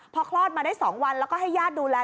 พอคลอดมาได้๒วันแล้วก็ให้ญาติดูแล